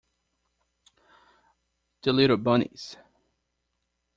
The little bunnies!